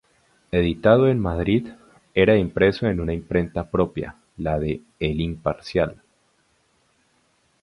Editado en Madrid, era impreso en una imprenta propia, la de El Imparcial.